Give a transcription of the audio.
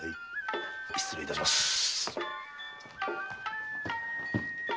失礼いたします。